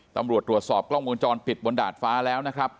ตำรวจตรวจสอบกล้องวงจรปิดบนดาดฟ้าแล้วนะครับ